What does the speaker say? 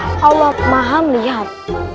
kalau mahal melihat